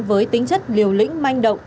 với tính chất liều lĩnh manh động